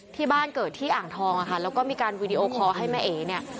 ที่บ้านเกิดที่อ่างทองอะค่ะแล้วก็มีการวีดีโอคอร์ให้แม่เอ๋เนี่ย